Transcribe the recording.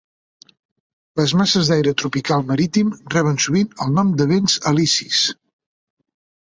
Les masses d'aire tropical marítim reben sovint el nom de vents alisis.